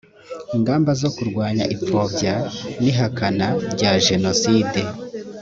ingamba zo kurwanya ipfobya n ihakana rya jenoside